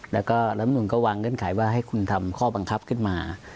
แล้วก็รัฐมนุนก็วางเงื่อนไขว่าให้คุณทำข้อบังคับขึ้นมา